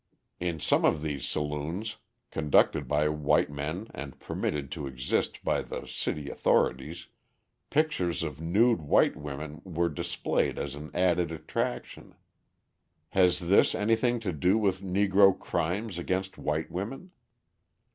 In some of these saloons conducted by white men and permitted to exist by the city authorities pictures of nude white women were displayed as an added attraction. Has this anything to do with Negro crimes against white women?